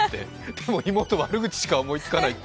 でも妹、悪口しか思いつかないって。